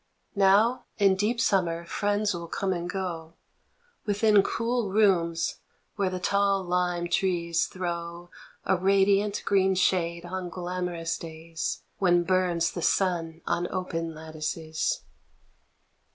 Now, in deep summer friends will come and go Within cool rooms where the tall lime trees throw 46 A HOME A radiant green shade on glamorous days When burns the sun on open lattices.